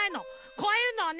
こういうのをね